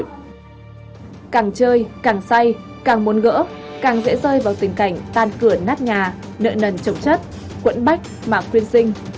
càng chơi càng say càng muốn gỡ càng dễ rơi vào tình cảnh tan cửa nát nhà nợ nần trồng chất quẫn bách mà quyên sinh